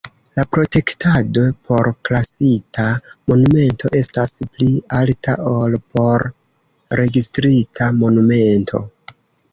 La protektado por klasita monumento estas pli alta ol por registrita monumento.